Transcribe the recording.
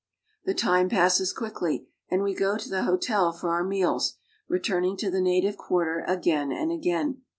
The time passes quickly, and we go to the hotel for our meals, returning to the native quarter again and again.